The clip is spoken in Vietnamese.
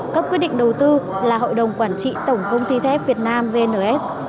cấp quyết định đầu tư là hội đồng quản trị tổng công ty thép việt nam vns